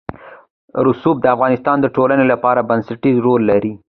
رسوب د افغانستان د ټولنې لپاره بنسټيز رول لري.